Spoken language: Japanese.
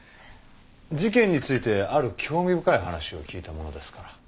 事件についてある興味深い話を聞いたものですから。